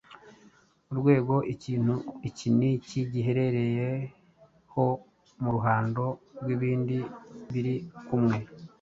urwego ikintu iki n’iki giherereyeho mu ruhando rw’ibindi biri kumwe